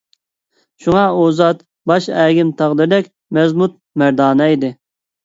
شۇڭا ئۇ زات ، باش ئەگىم تاغلىرىدەك مەزمۇت - مەردانە ئىدى .